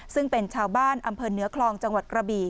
ซึ่งเป็นชาวบ้านอำเภอเหนือคลองจังหวัดกระบี่